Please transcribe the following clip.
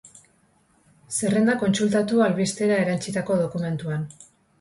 Zerrenda kontsultatu albistera erantsitako dokumentuan.